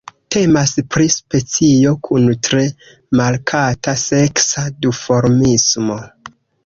Temas pri specio kun tre markata seksa duformismo.